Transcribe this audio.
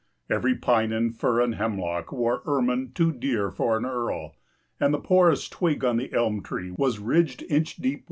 Every pine and fir and hemlock 5 Wore ermine too dear for an earl, And the poorest twig on the elm tree Was ridged inch deep with pearl.